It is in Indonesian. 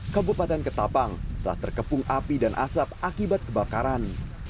kabupaten ketapang telah terkepung api dan asap akibat kebakaran